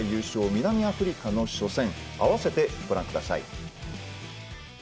南アフリカの初戦併せてご覧ください。